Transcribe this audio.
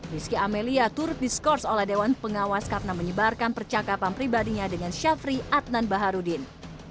rizky amelia turut diskors oleh dewan pengawas karena menyebarkan percakapan pribadinya dengan syafri adnan baharudin